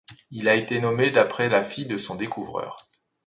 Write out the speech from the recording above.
Il a été nommé d'après la fille de son découvreur.